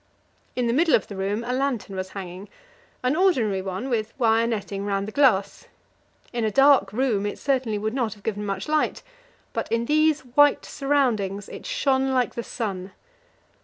In the middle of the room a lantern was hanging, an ordinary one with wire netting round the glass. In a dark room it certainly would not have given much light, but in these white surroundings it shone like the sun.